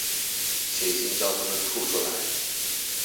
寫信叫他們吐出來